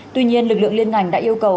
tuy nhiên lực lượng liên ngành đã yêu cầu